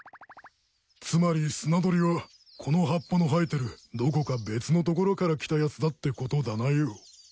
つまりスナドリはこの葉っぱの生えてるどこか別の所から来たやつだってことだなよ。